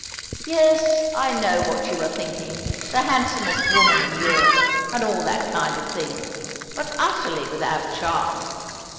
"Yes, I know what you are thinking, the handsomest woman in Europe, and all that kind of thing; but utterly without charm.